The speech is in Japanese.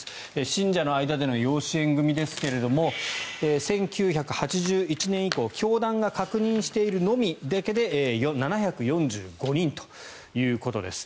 信者の間での養子縁組ですが１９８１年以降教団が確認しているのみだけで７４５人ということです。